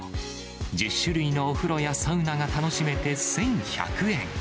１０種類のお風呂やサウナが楽しめて１１００円。